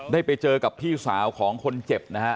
ได้ไปเจอกับพี่สาวของคนเจ็บนะฮะ